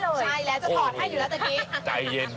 ใช่แล้วจะถอดให้อยู่แล้วแต่นี้